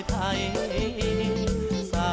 ขอบคุณทุกคน